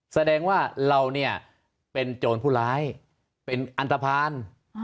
แสดงว่าเราเนี่ยเป็นโจรผู้ร้ายเป็นอันตภัณฑ์